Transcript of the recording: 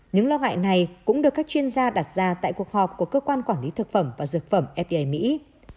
những lo ngại này cũng được các chuyên gia đặt ra tại cuộc họp của cơ quan quản lý thực phẩm và dược phẩm fda mỹ